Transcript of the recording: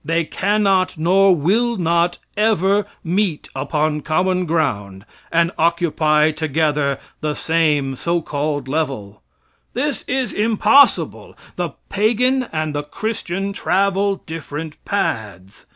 They cannot, nor will not, ever meet upon common ground and occupy together the same so called level. This is impossible. The pagan and the Christian travel different paths.